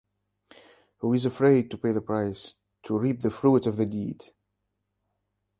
Who is afraid to pay the price, to reap the fruit of the deed?